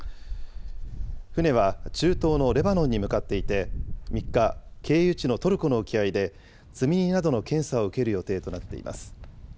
船は中東のレバノンに向かっていて、３日、経由地のトルコの沖合で、積み荷などの検査を受ける予定となっています。